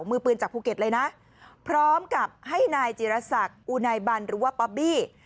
มือปืนจากภูเก็ตเลยนะพร้อมกับให้นายจิรษักอุนายบันหรือว่าป๊อบบี้